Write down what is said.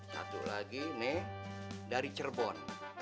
satu lagi nih dari cirebon